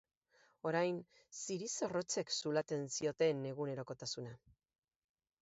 Orain ziri zorrotzek zulatzen zioten egunerokotasuna.